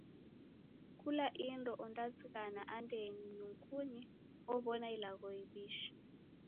Kula indo ondazighana andenyi nyungunyi ow'ona ilagho iw'ishi.